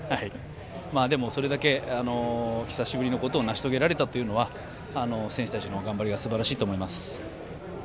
それだけ久しぶりのことを成し遂げられたのは選手たちの頑張りがすばらしいと思います。